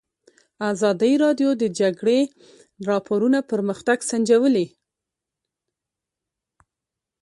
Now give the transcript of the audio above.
ازادي راډیو د د جګړې راپورونه پرمختګ سنجولی.